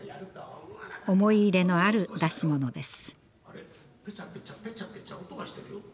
思い入れのある出し物です。